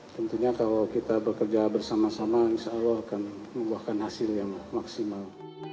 tentunya kalau kita bekerja bersama sama insya allah akan membuahkan hasil yang maksimal